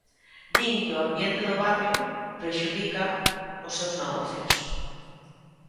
Din que o ambiente do barrio prexudica os seus negocios.